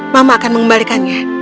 mama akan mengembalikannya